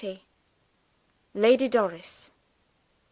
LADY DORIS.